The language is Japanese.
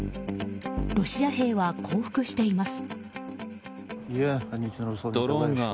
ロシア兵は降伏しています。